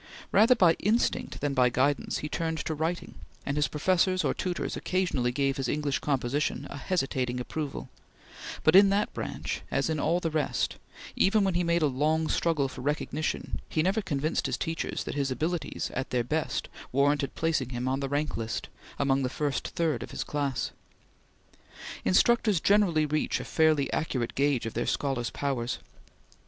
Rather by instinct than by guidance, he turned to writing, and his professors or tutors occasionally gave his English composition a hesitating approval; but in that branch, as in all the rest, even when he made a long struggle for recognition, he never convinced his teachers that his abilities, at their best, warranted placing him on the rank list, among the first third of his class. Instructors generally reach a fairly accurate gauge of their scholars' powers.